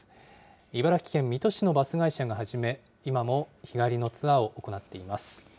茨城県水戸市のバス会社が始め、今も日帰りのツアーを行っています。